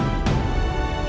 ada di payung kami ini